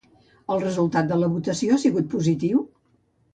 El resultat de la votació ha sigut positiu?